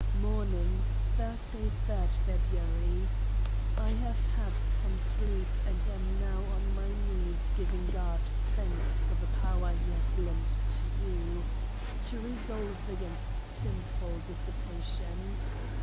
Morning, Thursday, 3d Feb. I have had some sleep; and am now on my knees giving God Thanks for the power he has lent to you, to resolve against Sinful Dissi pation.